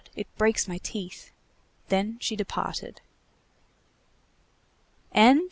it breaks my teeth!" Then she departed.